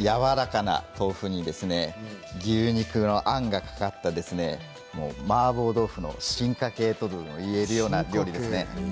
やわらかな豆腐に牛肉のあんがかかったマーボー豆腐の進化系といわれる料理です。